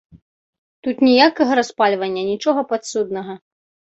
Тут ніякага распальвання, нічога падсуднага.